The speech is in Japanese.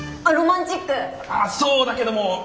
あそうだけども。